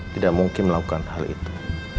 tidak mungkin melakukan hal itu